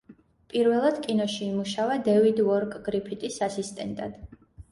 პირველად კინოში იმუშავა დევიდ უორკ გრიფიტის ასისტენტად.